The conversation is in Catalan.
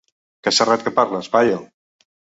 Que serrat que parles, paio!